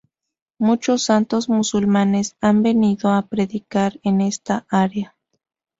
Muchos santos musulmanes han venido a predicar en esta área.